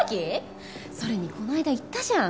それにこの間言ったじゃん。